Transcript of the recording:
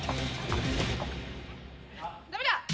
ダメだ。